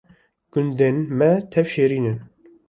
Gundên Me Tev Şêrîn in